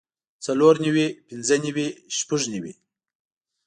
څلور نوي پنځۀ نوي شپږ نوي